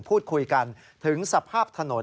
พูดคุยกันถึงสภาพถนน